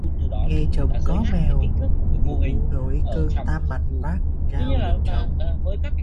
Nghe chồng có mèo, mụ nổi cơn tam bành vác dao rượt chồng